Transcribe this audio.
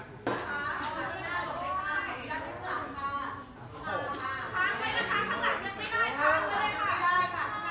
ขอขอบคุณหน่อยนะคะ